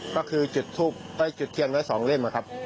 ไม่ใช่อ่ะครับก็คือจุดเทียนไว้สองเล่มอ่ะครับ